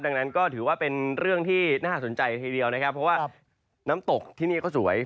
ดังนั้นก็ถือว่าเป็นเรื่องที่น่าสนใจทีเดียวนะครับเพราะว่าน้ำตกที่นี่ก็สวย